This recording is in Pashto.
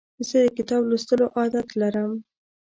زه د کتاب لوستلو عادت لرم.